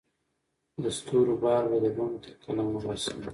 د ستورو بار به د بڼو تر قلم وباسمه